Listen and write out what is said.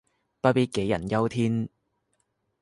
不必杞人憂天